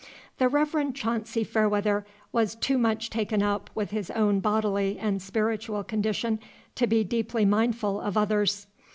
The Reverend Chauncy Fairweather was too much taken up with his own bodily and spiritual condition to be deeply mindful of others.